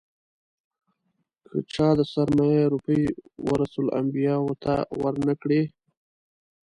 که چا د سرسایې روپۍ ورثه الانبیاوو ته ور نه کړې.